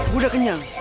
gue udah kenyang